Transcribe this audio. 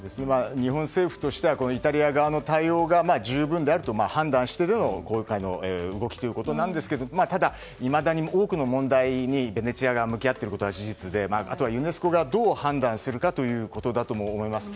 日本政府としてはイタリア側の対応が十分だと判断しての今回の動きということですがただ、いまだに多くの問題にベネチアが向き合っているのは事実であとはユネスコがどう判断するかということだと思います。